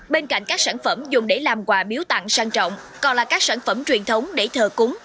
bên cạnh các sản phẩm dùng để làm quà miếu tặng sang trọng còn là các sản phẩm truyền thống để thờ cúng